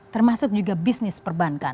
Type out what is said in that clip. termasuk juga bisnis perbankan